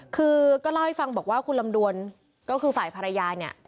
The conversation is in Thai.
คือก็เล่าให้ฟังบอกว่าคุณลำดวนก็คือฝ่ายภรรยาเนี่ย